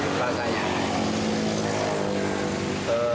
mak bokeh tidak ada